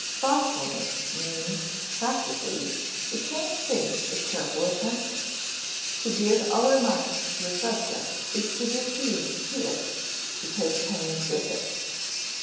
Thoughtfulness means, practically, the same thing as careful attention; to give our mind to a subject is to give heed to it, to take pains with it.